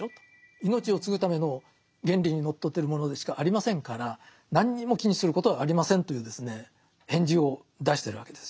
命を継ぐための原理にのっとってるものでしかありませんから何にも気にすることはありませんという返事を出してるわけですよ。